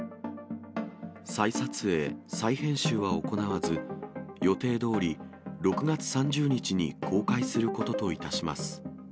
再撮影、再編集は行わず、予定どおり６月３０日に公開することといたします。